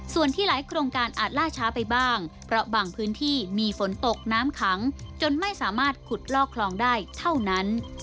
ส่วนที่หลายโครงการอาจล่าช้าไปบ้างเพราะบางพื้นที่มีฝนตกน้ำขังจนไม่สามารถขุดลอกคลองได้เท่านั้น